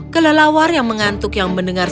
kelelawar yang mengantuk yang mendengar